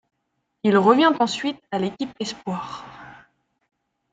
Il revient ensuite à l'équipe espoir.